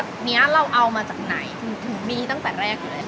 อันนี้เราเอามาจากไหนถึงมีตั้งแต่แรกเลย